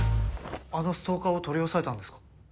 あのストーカーを取り押さえたんですか？